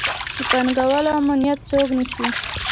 د پانګوالو امنیت څوک نیسي؟